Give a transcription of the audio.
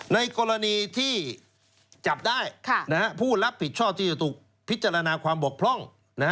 ในกรณีที่จับได้ผู้รับผิดชอบที่จะถูกพิจารณาความบกพร่อง